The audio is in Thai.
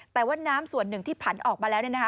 แต่ว่าน้ำส่วนหนึ่งที่ผันออกมาแล้ว